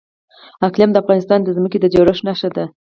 اقلیم د افغانستان د ځمکې د جوړښت نښه ده.